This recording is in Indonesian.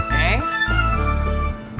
terima kasih bu